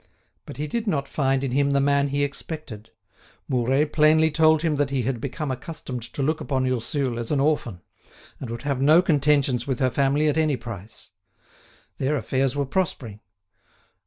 But he did not find in him the man he expected. Mouret plainly told him that he had become accustomed to look upon Ursule as an orphan, and would have no contentions with her family at any price. Their affairs were prospering.